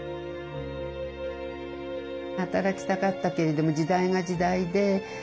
働きたかったけれども時代が時代で。